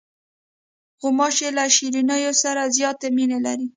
غوماشې له شیرینیو سره زیاتې مینې لري.